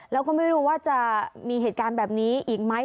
แล้วก็ไม่รู้ว่าจะมีเหตุการณ์แบบนี้อีกไหม